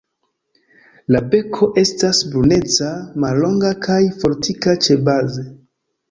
La beko estas bruneca, mallonga kaj fortika ĉebaze.